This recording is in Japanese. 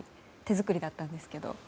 手作りだったんですけど。